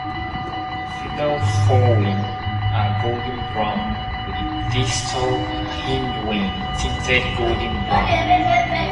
Female forewings are golden brown with the distal hindwing tinted golden brown.